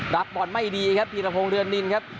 รับบอลไม่ดีครับพีรพงศ์เรือนนินครับ